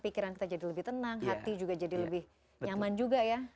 pikiran kita jadi lebih tenang hati juga jadi lebih nyaman juga ya